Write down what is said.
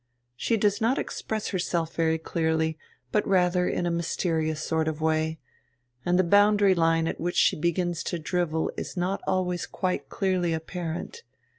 She does not express herself very clearly, but rather in a mysterious sort of way, and the boundary line at which she begins to drivel is not always quite clearly apparent.